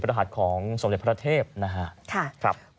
ปฏิหัสของสวรรค์เจ็บพระเทพนะฮะค่ะครับ